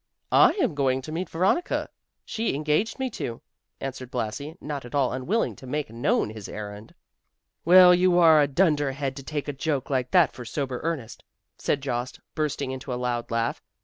"I am going to meet Veronica; she engaged me to," answered Blasi, not at all unwilling to make known his errand. "Well, you are a dunderhead to take a joke like that for sober earnest," said Jost, bursting into a loud laugh.